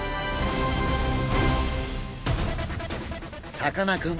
さかなクン